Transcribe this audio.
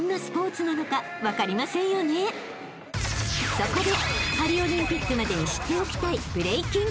［そこで］